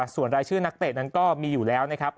ส่วนรายชื่อนักเตะนั้นก็มีอยู่แล้วนะครับ